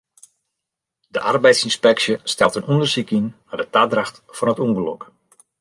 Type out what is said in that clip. De arbeidsynspeksje stelt in ûndersyk yn nei de tadracht fan it ûngelok.